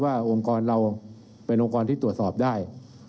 องค์กรเราเป็นองค์กรที่ตรวจสอบได้